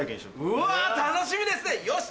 うわ楽しみですねよし